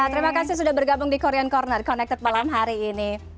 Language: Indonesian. terima kasih sudah bergabung di korean corner connected malam hari ini